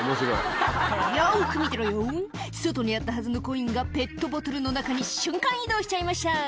「よく見てろよ外にあったはずのコインがペットボトルの中に瞬間移動しちゃいました」